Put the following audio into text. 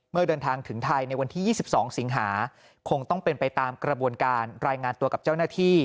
เมื่อเดินทางถึงไทยในวันที่๒๒สิงหาคงต้องเป็นไปตามกระบวนการรายงานตัวกับเจ้าหน้าที่